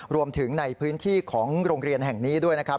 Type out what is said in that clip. รวมถึงในพื้นที่ของโรงเรียนแห่งนี้ด้วยนะครับ